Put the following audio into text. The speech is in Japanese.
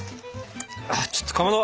ちょっとかまど！